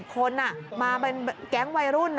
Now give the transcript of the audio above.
คนมาเป็นแก๊งวัยรุ่น